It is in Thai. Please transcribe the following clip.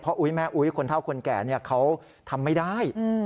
อุ๊ยแม่อุ๊ยคนเท่าคนแก่เขาทำไม่ได้